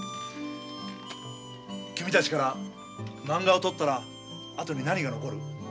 君たちからまんがを取ったらあとに何が残る？